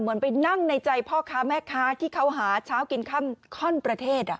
เหมือนไปนั่งในใจพ่อค้าแม่ค้าที่เขาหาเช้ากินค่ำข้อนประเทศ